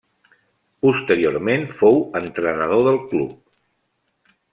Posteriorment fou entrenador del club.